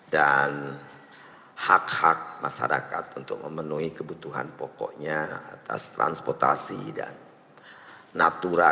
dan hak hak masyarakat untuk memenuhi kebutuhan pokoknya atas transportasi dan natura